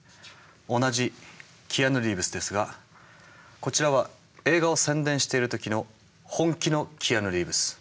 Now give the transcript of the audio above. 同じキアヌ・リーブスですがこちらは映画を宣伝してる時の本気のキアヌ・リーブス。